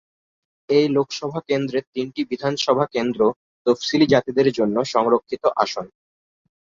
এই লোকসভা কেন্দ্রের তিনটি বিধানসভা কেন্দ্র তফসিলী জাতিদের জন্য সংরক্ষিত আসন।